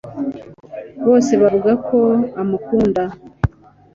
Bose Bavuga ko amukunda